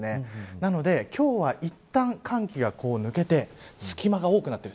なので、今日はいったん寒気が抜けて隙間が多くなっている。